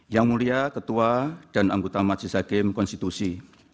yang mulia ketua dan anggota majelis hakim konstitusi